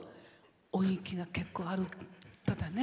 音域が結構ある歌だね。